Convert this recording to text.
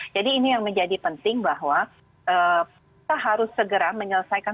jadi ini yang menjadi penting bahwa kita harus segera mencari penyelenggaraan